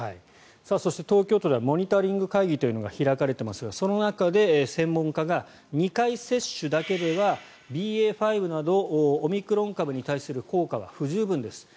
そして、東京都ではモニタリング会議というのが開かれていますがその中で専門家が２回接種だけではＢＡ．５などオミクロン株に対する効果は不十分です